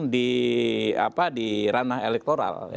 di ranah elektoral